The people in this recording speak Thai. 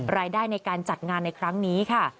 รายได้ในการจัดงานในครั้งนี้ค่ะ